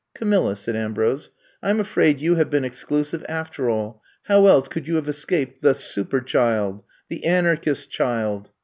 Camilla,*' said Ambrose, I 'm afraid you have been exclusive after all, how else could you have escaped the Super child, the Anarchist child?